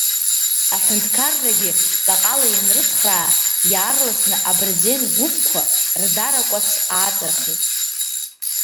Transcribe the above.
Аҳәынҭқаррагьы ҵаҟала ианрыцхраа иаарласны Абырзен гәыԥқәа рдаракәац ааҵырхит.